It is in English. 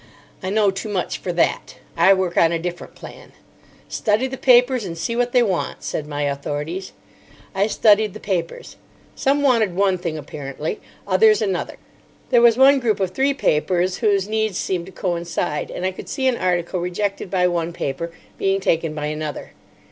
I know too much for that. I work on a different plan." "Study the papers, and see what they want," said my authorities. I studied the papers. Some wanted one thing, apparently, others another. There was one group of three papers whose needs seemed to coincide, and I could see an article rejected by one paper being taken by another.